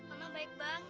allah baik banget